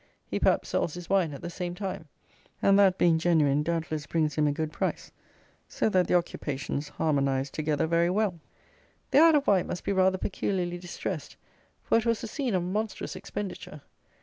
He perhaps sells his wine at the same time, and that being genuine, doubtless brings him a good price; so that the occupations harmonize together very well. The Isle of Wight must be rather peculiarly distressed; for it was the scene of monstrous expenditure.